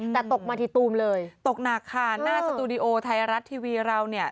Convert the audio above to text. แต่ตกมาทีตูมเลยตกหนักค่ะหน้าสตูดิโอไทยรัฐทีวีเราเนี่ย